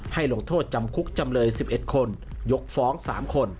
ลงโทษจำคุกจำเลย๑๑คนยกฟ้อง๓คน